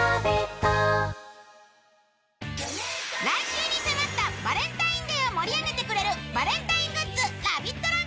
来週に迫ったバレンタインデーを盛り上げてくれるバレンタイングッズラヴィット！